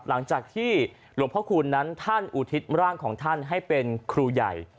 หลังจากที่หลวงพระคูณนั้นท่านอุทิศร่างของท่านให้เป็นครูใหญ่